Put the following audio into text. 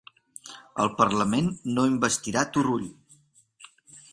El Parlament no investirà Turull